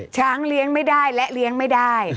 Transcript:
ช้างเลี้ยงไม่ได้และเลี้ยงไม่ได้